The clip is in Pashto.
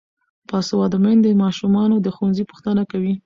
باسواده میندې د ماشومانو د ښوونځي پوښتنه کوي.